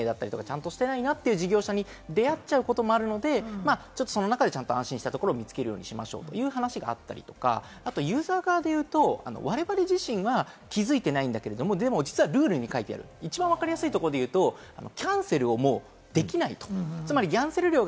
対応が不透明だったり、ちゃんとしてないなという事業者に出会っちゃうこともあるので、その中で安心したところを見つけるようにしましょうという話があったりとか、ユーザー側で言うと、我々自身が気づいていないけれども、実はルールに書いてある一番わかりやすいところで言うと、キャンセルをできないと。